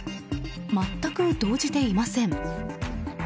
全く動じていません。